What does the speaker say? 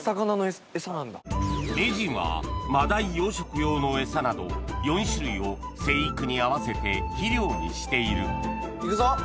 名人は真鯛養殖用の餌など４種類を生育に合わせて肥料にしているいくぞ！